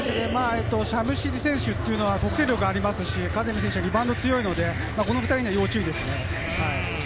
ジャムシディ選手は得点力がありますし、カゼミ選手はリバウンドが強いので、この２人は要チェックですね。